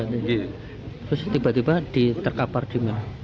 terus tiba tiba terkapar di mana